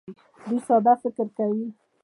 دوی ساده فکر کوي.